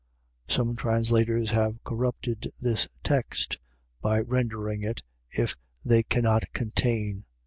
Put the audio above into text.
Some translators have corrupted this text, by rendering it, if they cannot contain.